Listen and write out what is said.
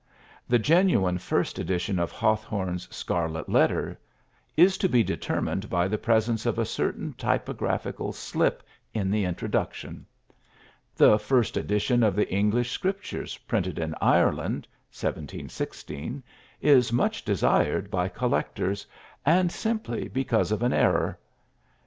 The genuine first edition of Hawthorne's "Scarlet Letter" is to be determined by the presence of a certain typographical slip in the introduction. The first edition of the English Scriptures printed in Ireland (1716) is much desired by collectors, and simply because of an error.